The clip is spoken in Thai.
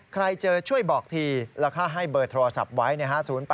ใครเจอช่วยบอกทีแล้วค่าให้เบอร์โทรศัพท์ไว้นะฮะ